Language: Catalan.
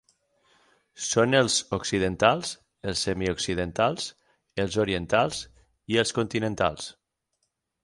Són els "occidentals", els "semioccidentals", els "orientals" i els "continentals".